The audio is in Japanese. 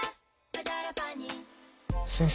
先生